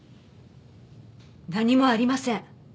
何もありません。